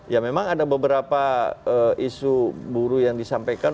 ya memang ada beberapa isu buruh yang disampaikan